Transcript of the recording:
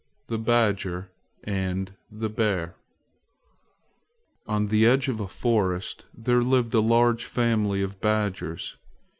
THE BADGER AND THE BEAR ON the edge of a forest there lived a large family of badgers.